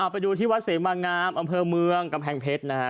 ไปดูที่วัดเสมางามอำเภอเมืองกำแพงเพชรนะฮะ